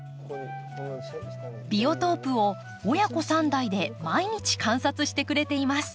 ビオトープを親子３代で毎日観察してくれています。